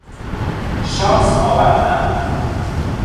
شانس آوردن